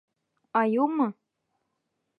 Айыумы?